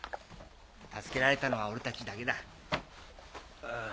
助けられたのは俺たちだけだ。